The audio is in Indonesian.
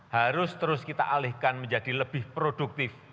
harus terus kita alihkan menjadi lebih produktif